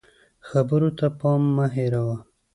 خبرو ته پام مه هېروه